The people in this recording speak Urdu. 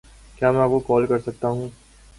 کیا میں آپ کو کال کر سکتا ہوں